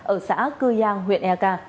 ở xã cư giang huyện eak